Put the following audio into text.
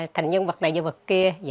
thành nhân vật này nhân vật kia